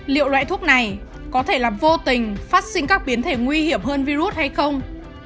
liệu loại thuốc này có thể làm vô tình phát sinh các biến thể nguy hiểm hơn virus hay không